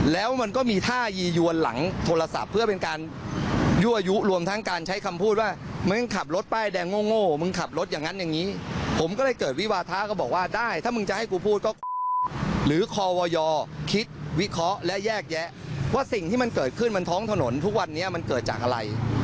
แล้วก็ลงไปเคลียร์กันอย่างที่เห็นในคลิปนั่นแหละค่ะ